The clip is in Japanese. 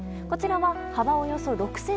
こちらは幅およそ６ｃｍ。